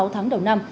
sáu tháng đầu năm